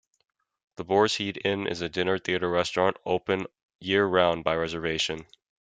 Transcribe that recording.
The Bors Hede Inne is a dinner theater restaurant, open year round by reservation.